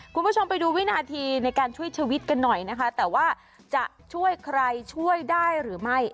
คุณผู้ชมไปดูวินาทีในการช่วยชีวิตกันหน่อยนะคะแต่ว่าจะช่วยใครช่วยได้หรือไม่